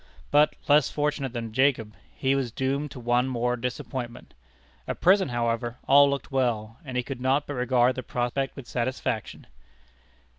But, less fortunate than Jacob, he was doomed to one more disappointment. At present, however, all looked well, and he could not but regard the prospect with satisfaction.